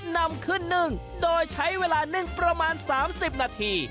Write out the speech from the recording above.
นำขึ้นนึ่งโดยใช้เวลานึ่งประมาณ๓๐นาที